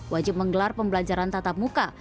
wajib menggelar pembelajaran tatap muka